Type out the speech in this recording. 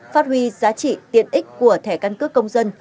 phát huy giá trị tiện ích của thẻ căn cước công dân